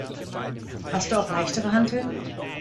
Hast du auch leichtere Hanteln?